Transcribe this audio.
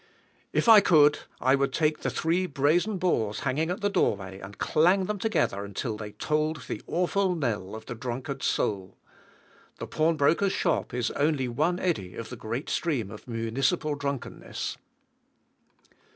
If I could, I would take the three brazen balls hanging at the door way, and clang them together until they tolled the awful knell of the drunkard's soul. The pawnbroker's shop is only one eddy of the great stream of municipal drunkenness.